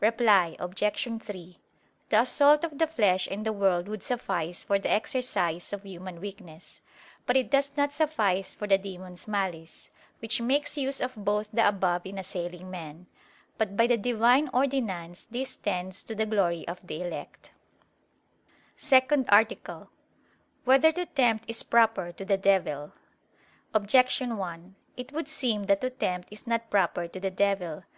Reply Obj. 3: The assault of the flesh and the world would suffice for the exercise of human weakness: but it does not suffice for the demon's malice, which makes use of both the above in assailing men. But by the Divine ordinance this tends to the glory of the elect. _______________________ SECOND ARTICLE [I, Q. 114, Art. 2] Whether to Tempt Is Proper to the Devil? Objection 1: It would seem that to tempt is not proper to the devil.